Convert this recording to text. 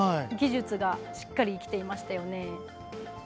技術がしっかり生きていましたね。